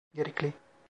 Gerekli.